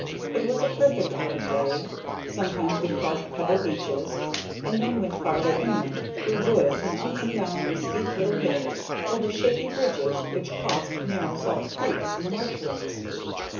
It was a perfect autumn day. Sometimes we crossed pebble beaches, and then went farther inland, through woods and up and down steep little hills; over shaky bridges which crossed narrow salt creeks in the marsh lands.